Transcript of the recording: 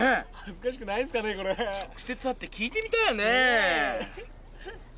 直接会って聞いてみたいよねえ。